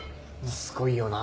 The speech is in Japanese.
すごいよな。